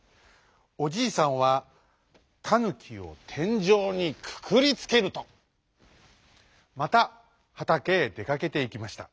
おじいさんはタヌキをてんじょうにくくりつけるとまたはたけへでかけていきました。